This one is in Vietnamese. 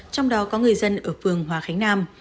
trong đó có người dân ở phường hòa khánh nam